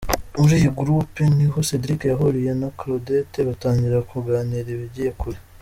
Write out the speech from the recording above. Muri iyi groupe niho Cedric yahuriye na Claudette batangira kuganira bigiye kure.